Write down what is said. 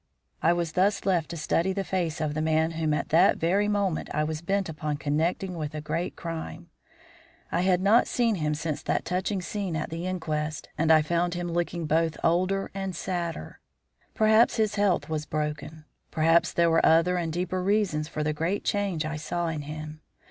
I was thus left to study the face of the man whom at that very moment I was bent upon connecting with a great crime. I had not seen him since that touching scene at the inquest; and I found him looking both older and sadder. Perhaps his health was broken; perhaps there were other and deeper reasons for the great change I saw in him.